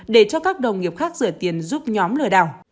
để cho các đồng nghiệp khác rửa tiền giúp nhóm lừa đảo